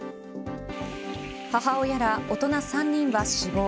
母親ら大人３人は死亡。